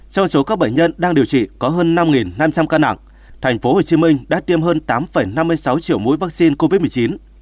trong số các bệnh nhân đang điều trị có hơn năm năm trăm linh ca nặng thành phố hồ chí minh đã tiêm hơn tám năm mươi sáu triệu mũi vaccine covid một mươi chín